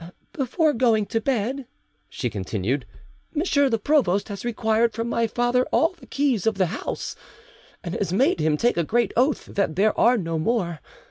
"Before going to bed," she continued, "M. the provost has required from my father all the keys of the house, and has made him take a great oath that there are no more.